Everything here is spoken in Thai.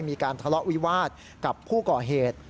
มีการทะเลาะวิวาสกับผู้ก่อเหตุ